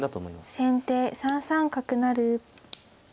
先手３三角成。